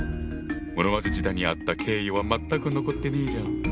室町時代にあった敬意は全く残ってねえじゃん！